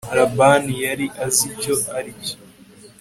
Labani yari azi icyo ari cyo